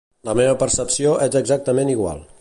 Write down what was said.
La meva percepció és exactament igual.